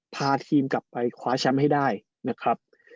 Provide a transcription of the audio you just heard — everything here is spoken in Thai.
พาทีมกลับไปคว้าแชมป์ให้ได้นะครับ